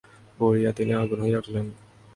পড়িয়া তিনি আগুন হইয়া উঠিলেন।